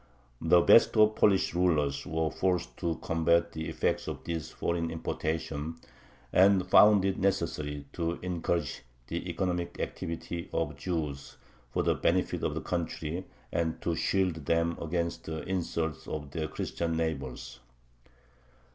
The best of the Polish rulers were forced to combat the effects of this foreign importation, and found it necessary to encourage the economic activity of the Jews for the benefit of the country and to shield them against the insults of their Christian neighbors.